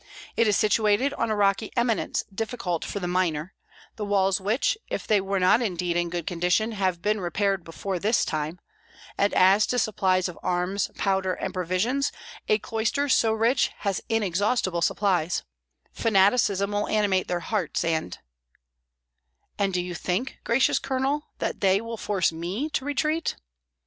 It is situated on a rocky eminence difficult for the miner, the walls which, if they were not indeed in good condition, have been repaired before this time; and as to supplies of arms, powder, and provisions, a cloister so rich has inexhaustible supplies; fanaticism will animate their hearts and, " "And do you think, gracious colonel, that they will force me to retreat?"